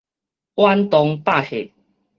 遠東百貨